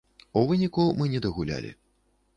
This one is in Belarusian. У выніку мы не дагулялі.